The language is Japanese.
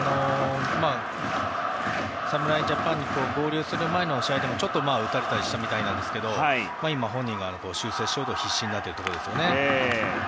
侍ジャパンに合流する前の試合でもちょっと打たれたりしたみたいですが今、本人は修正しようと必死になっていますね。